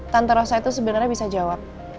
tante rosa itu sebenarnya bisa jawab